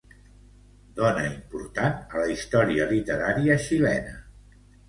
Dona important a la història literària xilena.